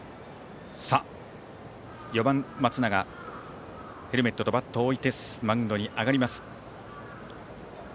４番、松永ヘルメットとバットを置いてマウンドに上がります。